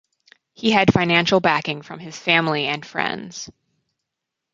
He had financial backing from his family and friends.